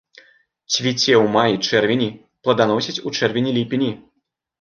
Цвіце ў маі-чэрвені, пладаносіць у чэрвені-ліпені.